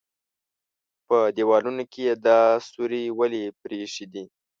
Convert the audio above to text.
_په دېوالونو کې يې دا سوري ولې پرېښي دي؟